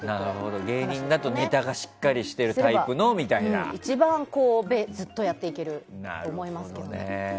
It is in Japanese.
芸人だとネタがしっかりしているタイプの一番、ずっとやっていけると思いますけど。